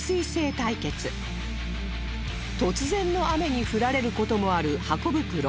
突然の雨に降られる事もあるハコ袋